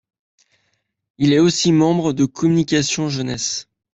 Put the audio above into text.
Il est aussi membre de Communication-jeunesse.